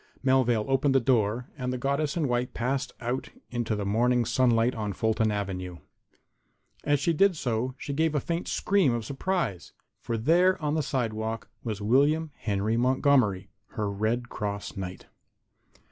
Melvale opened the door and the goddess in white passed out into the morning sunlight on Fulton avenue. And as she did so she gave a faint scream of surprise. For there, on the sidewalk, was William Henry Montgomery, her Red Cross Knight.